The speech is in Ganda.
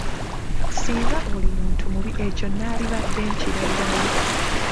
Singa oli muntu mubi ekyo nnaalibadde nkirabirawo.